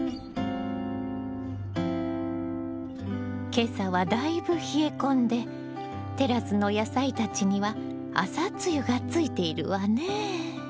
今朝はだいぶ冷え込んでテラスの野菜たちには朝露がついているわねえ。